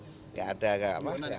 tidak perlu ditangkapi